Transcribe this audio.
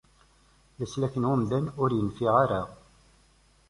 Leslak n umdan, ur infiɛ ara.